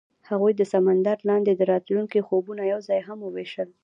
هغوی د سمندر لاندې د راتلونکي خوبونه یوځای هم وویشل.